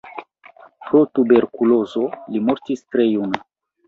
Pro tuberkulozo li mortis tre juna.